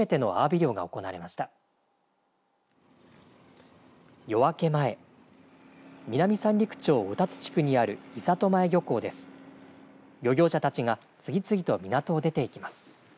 漁業者たちが次々と港を出て行きます。